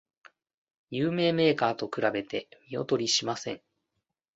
有名メーカーと比べて見劣りしません